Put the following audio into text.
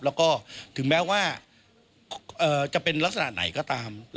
แล้วก็ถึงแม้ว่าจะเป็นลักษณะไหนก็ตาม